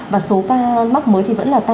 và số ca mắc mới thì vẫn là cao